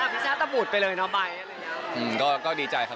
อภิษฐาตบุตรไปเลยนะไบร์ทเออก็ดีใจค่ะ